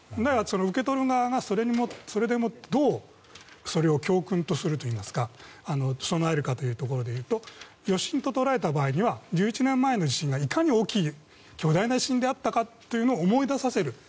受け取る側がそれによってどうそれを教訓とするといいますか備えるかというところでいうと余震ととらえた場合は１１年前の地震がいかに大きい巨大な地震だったかというのを思い出させる。